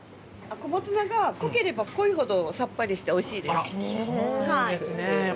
小松菜が濃ければ濃いほどさっぱりしておいしいです。